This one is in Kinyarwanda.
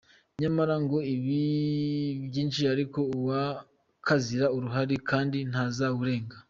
Nyamara ngo iba myinshi ariko uwa kaziri urahari kandi ntazawurenga.